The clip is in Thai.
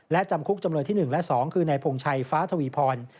และจำคุกจำเลยที่๑และ๒คือนายพงชัยฟ้าทวีพร